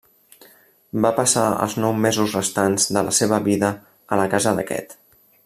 Va passar els nou mesos restants de la seva vida a la casa d'aquest.